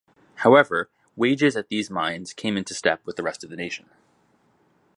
However, wages at these mines came into step with the rest of the nation.